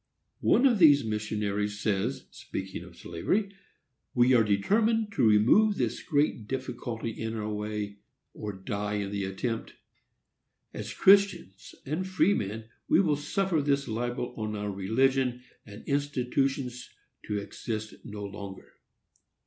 One of these missionaries says, speaking of slavery, "We are determined to remove this great difficulty in our way, or die in the attempt. As Christians and as freemen, we will suffer this libel on our religion and institutions to exist no longer."